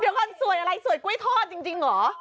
เดี๋ยวก่อนสวยอะไรสวยกล้วยทอดจริงเหรอ